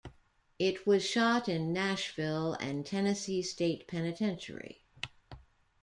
It was shot in Nashville and Tennessee State Penitentiary.